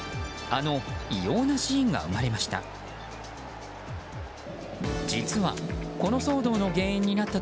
あの異様なシーンが生まれました。